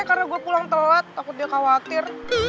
karena gue pulang telat takut dia khawatir